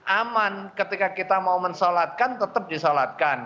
aman ketika kita mau mensolatkan tetap disolatkan